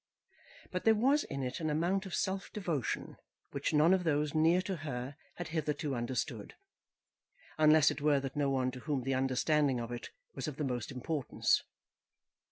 But there was in it an amount of self devotion which none of those near to her had hitherto understood, unless it were that one to whom the understanding of it was of the most importance.